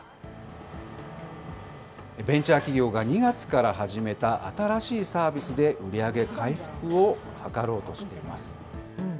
ベンチャー企業が２月から始めた新しいサービスで売り上げ回復を図ろうとしています。